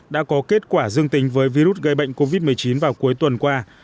đã có kết quả dương tính với virus gây bệnh covid một mươi chín vào cuối tuần qua